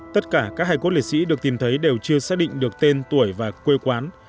tất cả các hải cốt liệt sĩ được tìm thấy đều chưa xác định được tên tuổi và quê quán